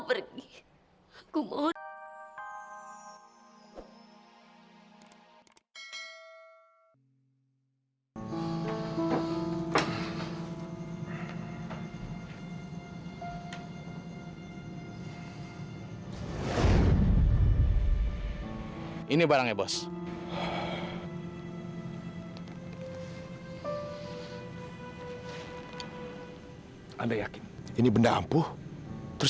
terus yang paling penting